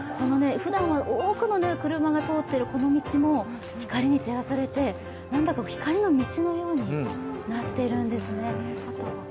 ふだんは多くの車が通っているこの道も光に照らされて、なんだか光の道のようになっているんですね。